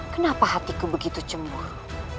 kenapa hatiku begitu cemburu